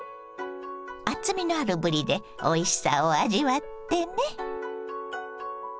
厚みのあるぶりでおいしさを味わってね。